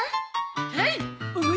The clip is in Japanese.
はい！